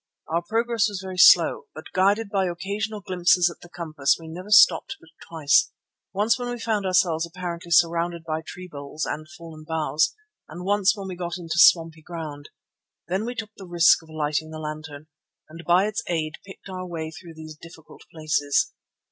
Our progress was very slow, but guided by occasional glimpses at the compass we never stopped but twice, once when we found ourselves apparently surrounded by tree boles and fallen boughs, and once when we got into swampy ground. Then we took the risk of lighting the lantern, and by its aid picked our way through these difficult places.